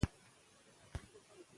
هغه د خپل ځواک ځواکمن او ځیرک و.